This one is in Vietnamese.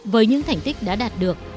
với những thành tích đã đạt được